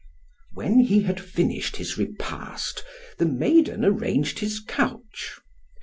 When he had finished his repast, the maiden arranged his couch.